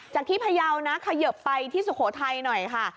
ที่พยาวนะเขยิบไปที่สุโขทัยหน่อยค่ะ